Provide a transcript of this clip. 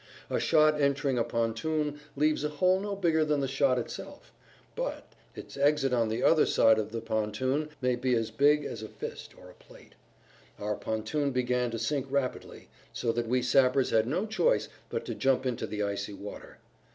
A shot entering a pontoon leaves a hole no bigger that the shot itself, but its exit on the other side of the pontoon may be as big as a fist or a plate. Our pontoon then began to sink rapidly so that we sappers had no choice but to jump into the icy water.